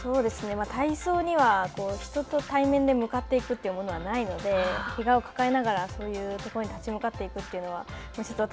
体操には人と対面で向かっていくというものはないのでけがを抱えながらそういうところに立ち向かっていくというのはちょっと